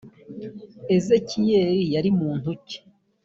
ezekiyeli yari muntu ki ?